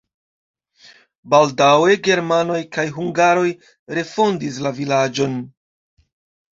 Baldaŭe germanoj kaj hungaroj refondis la vilaĝon.